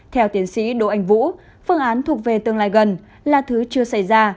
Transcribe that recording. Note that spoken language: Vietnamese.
theo tiến sĩ đỗ anh vũ phương án thuộc về tương lai gần là thứ chưa xảy ra